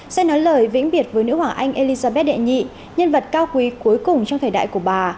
sẽ nói lời vĩnh biệt với nữ hoàng anh elizabeth đệ nhị nhân vật cao quý cuối cùng trong thời đại của bà